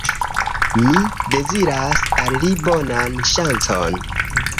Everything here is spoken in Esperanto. Mi deziras al li bonan ŝancon!